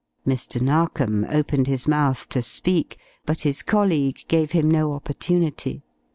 Mr. Narkom opened his mouth to speak, but his colleague gave him no opportunity.